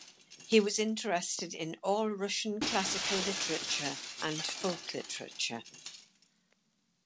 He was interested in all Russian classical literature and folk literature.